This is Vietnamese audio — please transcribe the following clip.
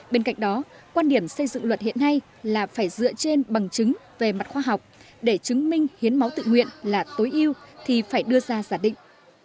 bên cạnh đó quan điểm xây dựng luật hiện nay là phải dựa trên bằng chứng về mặt khoa học để chứng minh hiến máu tự nguyện là tối ưu thì phải đưa ra giả định